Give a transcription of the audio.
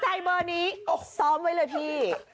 ใจเบอร์นี้ซ้อมไว้เลยพี่